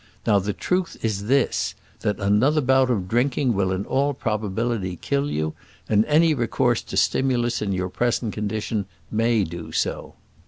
Now the truth is this, that another bout of drinking will in all probability kill you; and any recourse to stimulus in your present condition may do so."